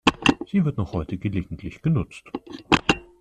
Sie wird noch heute gelegentlich genutzt.